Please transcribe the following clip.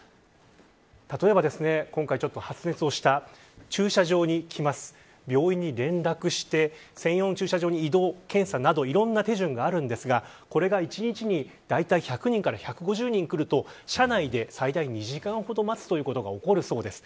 例えば、今回ちょっと発熱をした駐車場に来ます病院に連絡して専用の駐車場に移動、検査などいろいろな手順があるんですがこれが１日に大体１００人から１５０人来ると車内で最大２時間ほど待つということが起こるそうです。